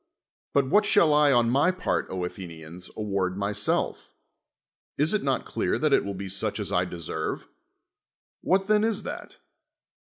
But what shall I, on my part, Athe nians, award myself? Is it not elt»ar that it will be such as I deserve? Wliat then is that?